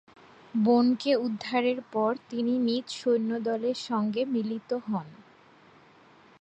বোনকে উদ্ধারের পর তিনি নিজ সৈন্যদলের সঙ্গে মিলিত হন।